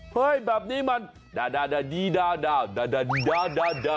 เฮ้ยแบบนี้มันดาดีดาดาดีดาดา